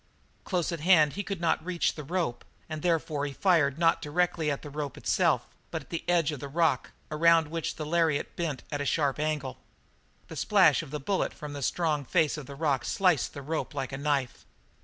Close at hand he could not reach the rope, and therefore he fired not directly at the rope itself, but at the edge of the rock around which the lariat bent at a sharp angle. The splash of that bullet from the strong face of the rock sliced the rope like a knife.